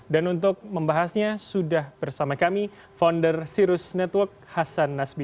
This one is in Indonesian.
dan untuk membahasnya sudah bersama kami founder sirus network hasan nasbi